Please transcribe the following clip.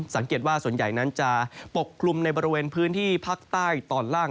สังเกตว่าส่วนใหญ่นั้นจะปกคลุมในบริเวณพื้นที่ภาคใต้ตอนล่าง